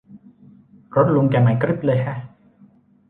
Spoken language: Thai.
รถลุงแกใหม่กริ๊บเลยแฮะ